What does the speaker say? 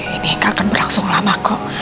ini gak akan berlangsung lama kok